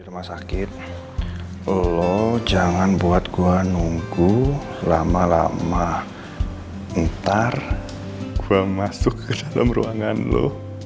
rumah sakit allah jangan buat gua nunggu lama lama ntar gue masuk ke dalam ruangan loh